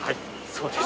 そうです。